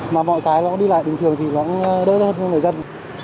mà mọi cái nó đi lại bình thường thì nó cũng đơn giản hơn